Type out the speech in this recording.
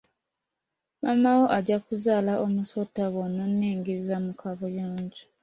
Maama wo ajja kuzaala omusota b'ononningiza mu kaabuyonjo.